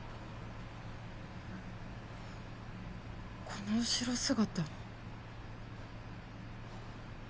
この後ろ姿。